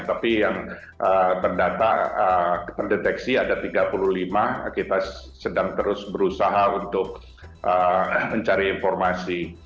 tapi yang terdeteksi ada tiga puluh lima kita sedang terus berusaha untuk mencari informasi